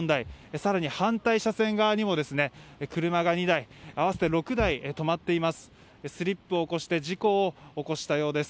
更に反対車線側にも車が２台合わせて６台、止まっています。